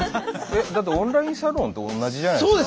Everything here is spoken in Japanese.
えだってオンラインサロンと同じじゃないですか。